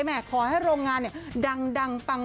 ขอให้โรงงานดังปัง